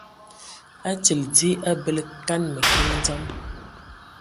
Atili dzi a bələ kan kiŋ dzam.